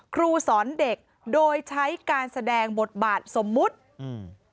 ครูสอนเด็กโดยใช้การแสดงบทบาทสมมุติอืม